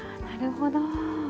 なるほど。